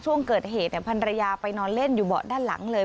ช่วงเกิดเหตุพันรยาไปนอนเล่นอยู่เบาะด้านหลังเลย